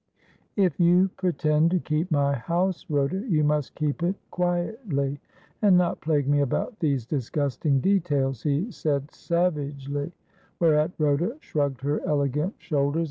' If you pretend to keep my house, Rhoda, you must keep it quietly, and not plague me about these disgusting details,' he said savagely ; whereat Rhoda shrugged her elegant shoulders, '/ deme that Hire Herte was Ful of Wo.'